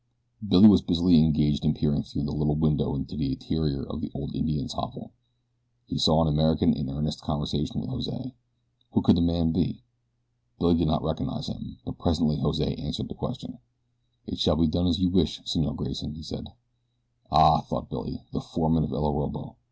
Billy was busily engaged in peering through the little window into the interior of the old Indian's hovel. He saw an American in earnest conversation with Jose. Who could the man be? Billy did not recognize him; but presently Jose answered the question. "It shall be done as you wish, Senor Grayson," he said. "Ah!" thought Billy; "the foreman of El Orobo.